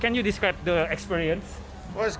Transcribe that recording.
dan saya bisa melihat banyak penggemar indonesia